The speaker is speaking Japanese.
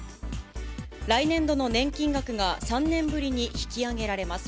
来年度の年金額が３年ぶりに引き上げられます。